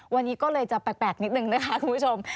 วันนี้ก็เลยจะแปลกนิดนึงนะคะคุณผู้ชม